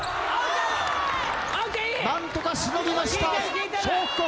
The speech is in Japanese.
何とかしのぎました。